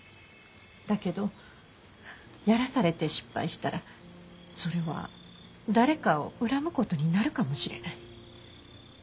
だけどやらされて失敗したらそれは誰かを恨むことになるかもしれない。